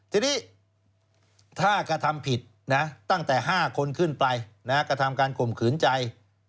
ทีนี้ถ้ากระทำผิดตั้งแต่๕คนขึ้นไปกระทำการข่มขืนใจ